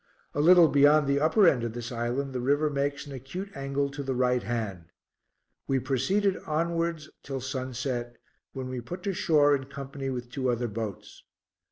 A little beyond the upper end of this island the river makes an acute angle to the right hand. We proceeded onwards till sunset, when we put to shore in company with two other boats.